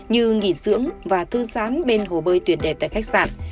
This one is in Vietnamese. như nghỉ dưỡng và thư giãn bên hồ bơi tuyệt đẹp tại khách sạn